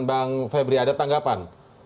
bang febri ada tanggapan